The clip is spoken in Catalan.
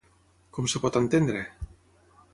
Com es pot entendre?